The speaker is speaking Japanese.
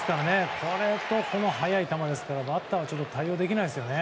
それと速い球ですからバッターは対応できないですよね。